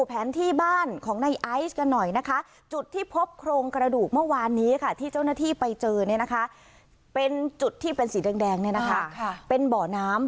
เป็นจุดที่เป็นสีแดงนะคะเป็นเบอร์น้ำ